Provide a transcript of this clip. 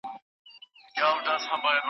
د ارغنداب سیند د فرهنګي ارزښتونو نښه ده.